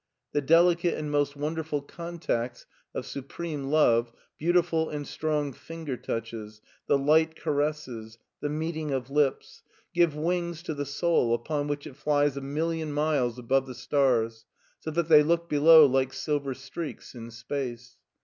The delicate and most wonderful contacts of supreme love beautiful and strong finger touches, the light caresses, the meeting of lips: give wings to the soul, upon which it flies a million miles above the stars, so that they look below like silver streaks in space.